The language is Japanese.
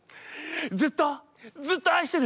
ずっとずっと愛してる！